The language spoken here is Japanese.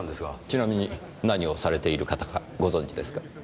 ちなみに何をされている方かご存じですか？